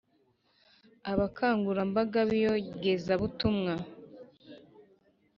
abakangurambaga b’iyogezabutumwa